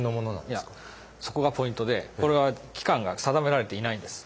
いやそこがポイントでこれは期間が定められてないんです。